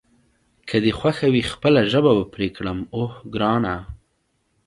که دې خوښه وي خپله ژبه به پرې کړم، اوه ګرانه.